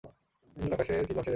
নীল আকাশে চিল ভাসিয়া যাইতেছে।